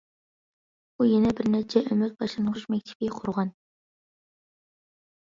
ئۇ يەنە بىر نەچچە ئۈمىد باشلانغۇچ مەكتىپى قۇرغان.